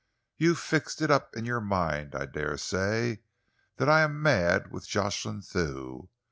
You've fixed it up in your mind, I dare say, that I am mad with Jocelyn Thew.